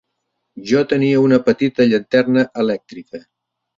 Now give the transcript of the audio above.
Jo tenia una petita llanterna elèctrica